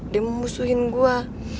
dia memusuhin gue